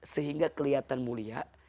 sehingga kelihatan mulia